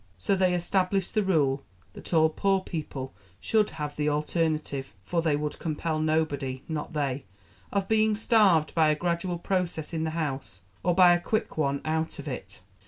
So, they established the rule, that all poor people should have the alternative (for they would compel nobody, not they) of being starved by a gradual process in the house, or by a quick one out of it.